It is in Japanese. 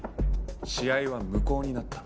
試合は無効になった。